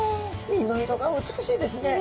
身の色が美しいですね。